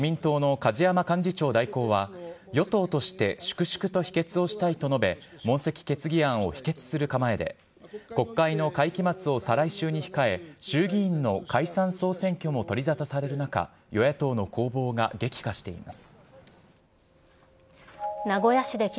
一方、自民党の梶山幹事長代行は与党として粛々と否決をしたいと述べ、問責決議案を否決する構えで、国会の会期末を再来週に控え、衆議院の解散・総選挙も取りざたされる中、与野党の攻防が激化しています。